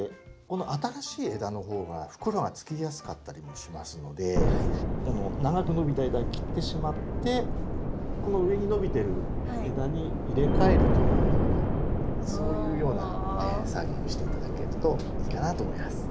この新しい枝の方が袋がつきやすかったりもしますのでこの長く伸びた枝切ってしまってこの上に伸びてる枝に入れ替えるというようなそういうような作業をして頂けるといいかなと思います。